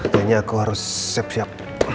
kayaknya aku harus siap siap